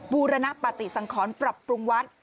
บูรณปฏิสังขรปรับปรุงวัด